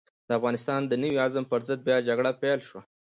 د افغانستان د نوي عزم پر ضد بيا جګړه پيل شوه.